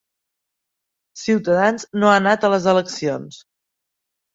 Ciutadans no ha anat a les eleccions